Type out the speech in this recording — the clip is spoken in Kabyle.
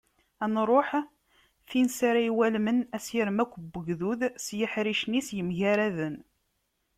Ad nruḥ tin s ara iwalmen asirem akk n wegdud s yeḥricen-is yemgaraden.